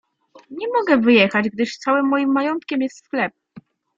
"Nie mogę wyjechać, gdyż całym moim majątkiem jest sklep."